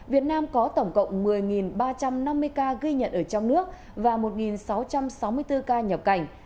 việt nam có tổng cộng một mươi ba trăm năm mươi ca ghi nhận ở trong nước và một sáu trăm sáu mươi bốn ca nhập cảnh